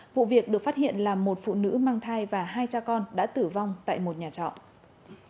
vụ việc được phát hiện là một phụ nữ mang thai và hai cha con đã tử vong tại một nhà trọ